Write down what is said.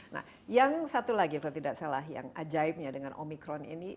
nah yang satu lagi kalau tidak salah yang ajaibnya dengan omikron ini